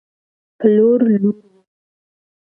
پلور لوړ و.